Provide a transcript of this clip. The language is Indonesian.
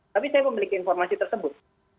tapi saya memiliki informasi tersebut